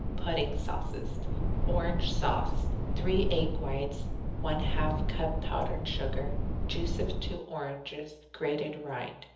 PUDDING SAUCES Orange Sauce 3 egg whites. 1/2 cup powdered sugar. Juice of 2 oranges. Grated rind.